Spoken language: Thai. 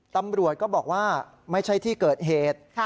ตำรวจก็บอกว่าไม่ใช่ที่เกิดเหตุ